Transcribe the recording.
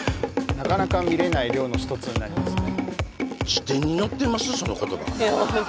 なかなか見れない漁の一つになりますね